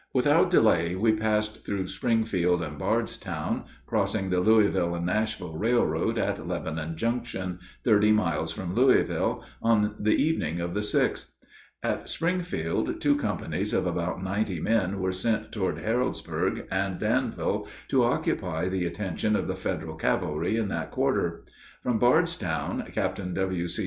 Without delay we passed through Springfield and Bardstown, crossing the Louisville and Nashville Railroad at Lebanon Junction, thirty miles from Louisville, on the evening of the 6th. At Springfield two companies of about ninety men were sent toward Harrodsburg and Danville to occupy the attention of the Federal cavalry in that quarter. From Bardstown, Captain W.C.